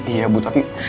iya bu tapi